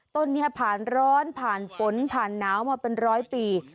ต้นนี้ผ่านร้อนผ่านฝนผ่านหนาวมาเป็นร้อยปี